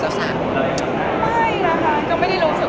รักษาคุณลุงคนเลย